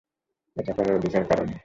এটা করার অধিকার কারো নেই।